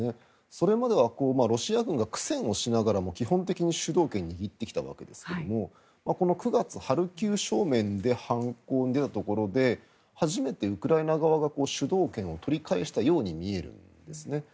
それまではロシア軍が苦戦をしながらも基本的に主導権を握ってきたわけですがこの９月、ハルキウ正面で反攻に出たところで初めてウクライナ側が主導権を取り返したように見えるんですね。